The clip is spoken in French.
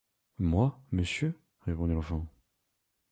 Moi, monsieur, répondit l’enfant.